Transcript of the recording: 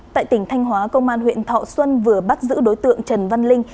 tại tỉnh thanh hóa công an huyện thọ xuân vừa bắt giữ đối tượng trần văn linh